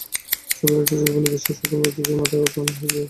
ছবির একটি ঝুঁকিপূর্ণ দৃশ্যের শুটিং করতে গিয়ে মাথায় আঘাত পান হূতিক।